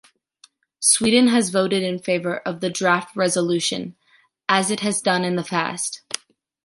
Sweden has voted in favor of the draft resolution, as it has done in the past.